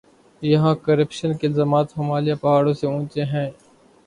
یہاں کرپشن کے الزامات ہمالیہ پہاڑوں سے اونچے ہیں۔